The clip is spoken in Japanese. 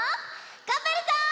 がんばるぞ！